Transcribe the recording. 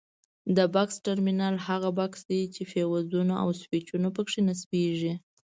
د بکس ټرمینل هغه بکس دی چې فیوزونه او سویچونه پکې نصبیږي.